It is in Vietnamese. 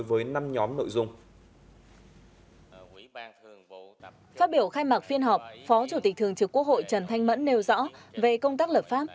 ủy thường trực quốc hội trần thanh mẫn nêu rõ về công tác lập pháp